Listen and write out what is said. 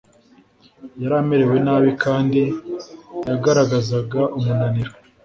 yari amerewe nabi, kandi yagaragazaga umunaniro